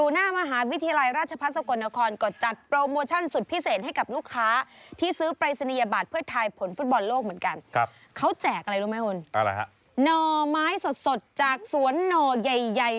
เหมือนกันครับเขาแจกอะไรรู้ไหมอ่อนอะไรฮะหน่อไม้สดสดจากสวนหน่อใหญ่ใหญ่